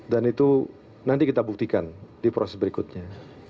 dan itu nanti kita buktikan di proses berikutnya